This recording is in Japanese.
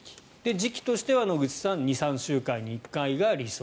時期としては野口さん２３週間に１回が理想。